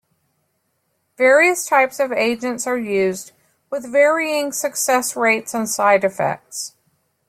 Various types of agents are used, with varying success rates and side effects.